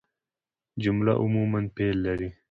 جمله عموماً فعل لري.